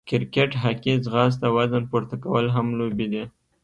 کرکېټ، هاکې، ځغاسته، وزن پورته کول هم لوبې دي.